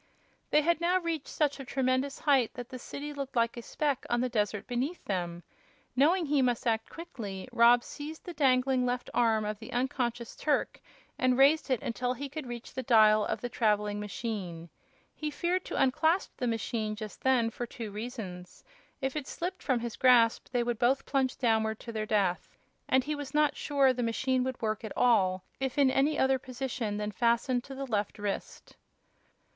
They had now reached such a tremendous height that the city looked like a speck on the desert beneath them. Knowing he must act quickly, Rob seized the dangling left arm of the unconscious Turk and raised it until he could reach the dial of the traveling machine. He feared to unclasp the machine just then, for two reasons: if it slipped from his grasp they would both plunge downward to their death; and he was not sure the machine would work at all if in any other position than fastened to the left wrist.